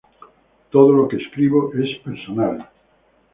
Todo lo que escribo es personal.